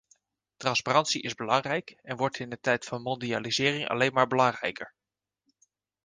Transparantie is belangrijk en wordt in een tijd van mondialisering alleen maar belangrijker.